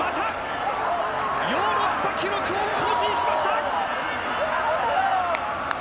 ヨーロッパ記録を更新しました。